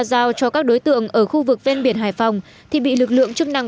giao cho các đối tượng ở khu vực ven biển hải phòng thì bị lực lượng chức năng